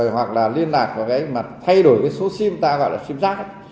hoặc là liên lạc mà thay đổi số sim ta gọi là sim card